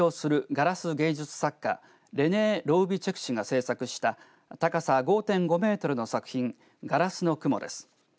ガラス芸術作家レネー・ロゥビチェク氏が制作した高さ５．５メートルの作品ガラスの雲です。